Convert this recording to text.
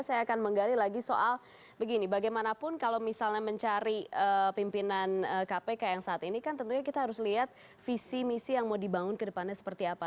saya akan menggali lagi soal begini bagaimanapun kalau misalnya mencari pimpinan kpk yang saat ini kan tentunya kita harus lihat visi misi yang mau dibangun ke depannya seperti apa